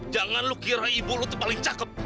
jangan lo kira ibu lo tuh paling cakep